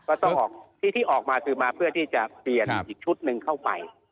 ก็ต้องออกที่ที่ออกมาคือมาเพื่อที่จะเปลี่ยนอีกชุดหนึ่งเข้าไป